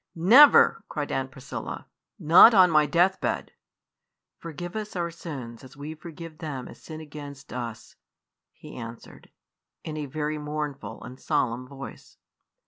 "Never!" cried Aunt Priscilla, "not on my death bed!" "'Forgive us our sins as we forgive them as sin against us,'" he answered, in a very mournful and solemn voice.